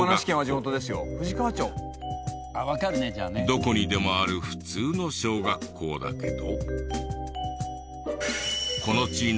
どこにでもある普通の小学校だけど。